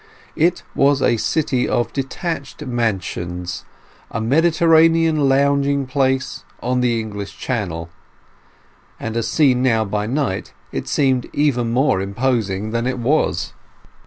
It was a city of detached mansions; a Mediterranean lounging place on the English Channel; and as seen now by night it seemed even more imposing than it was.